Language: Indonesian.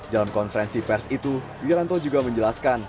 dalam konferensi pers itu wiranto juga menjelaskan